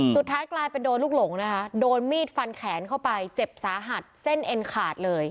สุดท้ายกลายเป็นโดนลูกหลงนะคะโดนมีดฟันแขนเข้าไปเจ็บสาหัสเส้นเอ็นขาดเลย